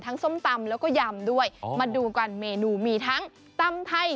ส้มตำแล้วก็ยำด้วยมาดูกันเมนูมีทั้งตำไทย